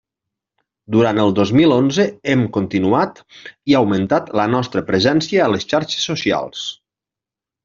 Durant el dos mil onze hem continuat i augmentat la nostra presència a les xarxes socials.